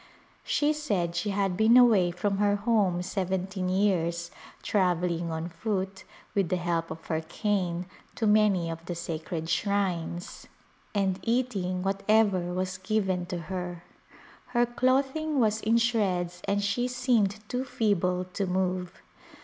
She said she had been away from her home seventeen years travelling on foot, with the help of her cane, to manv of the sacred shrines, and [ '=45 ] A Glimpse of I?idta eating whatever was given to her. Her clothing was in shreds and she seemed too feeble to move.